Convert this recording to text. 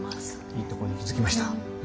いいとこに気付きました。